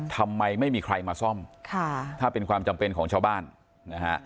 ทำไมไม่มีใครมาซ่อมค่ะถ้าเป็นความจำเป็นของชาวบ้านนะฮะ